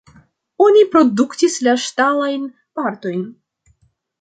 Oni produktis la ŝtalajn partojn.